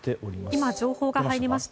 今、情報が入りました。